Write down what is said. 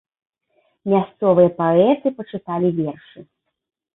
Мясцовыя паэты пачыталі вершы.